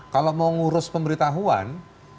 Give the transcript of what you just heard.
kalau mau ngurus pemberitahuan